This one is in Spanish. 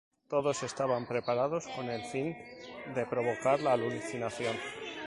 Todo estaba preparado con el fin de provocar la alucinación.